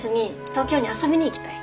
東京に遊びに行きたい。